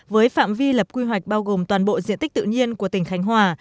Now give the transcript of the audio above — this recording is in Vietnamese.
với phạm vi lập quy hoạch bao gồm toàn bộ diện tích tự nhiên của tỉnh khánh hòa